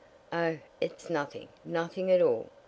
"Oh, it's nothing, nothing at all!"